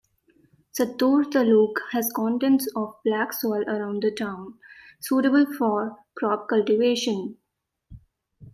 Sattur taluk has contents of black soil around the town, suitable for crop cultivation.